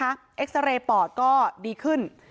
และสะเรปอดก็ดีขึ้น